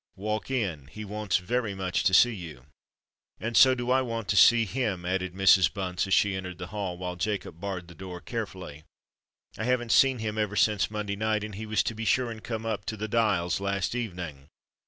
"Walk in:—he wants very much to see you." "And so do I want to see him," added Mrs. Bunce as she entered the hall, while Jacob barred the door carefully. "I haven't seen him ever since Monday night; and he was to be sure and come up to the Dials last evening.